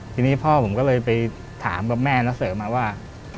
ทีนี้พ่อผมก็เลยไปถามกับแม่น้าเสริมมาว่า